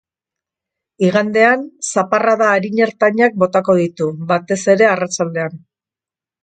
Igandean zaparrada arin-ertainak botako ditu, batez ere arratsaldean.